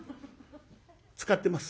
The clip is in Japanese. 使ってます。